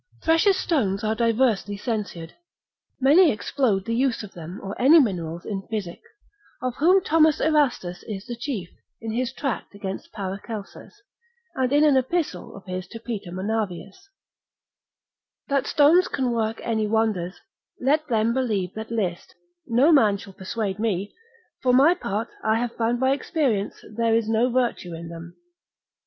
Precious stones are diversely censured; many explode the use of them or any minerals in physic, of whom Thomas Erastus is the chief, in his tract against Paracelsus, and in an epistle of his to Peter Monavius, That stones can work any wonders, let them believe that list, no man shall persuade me; for my part, I have found by experience there is no virtue in them.